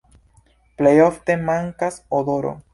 Plej ofte mankas odoro.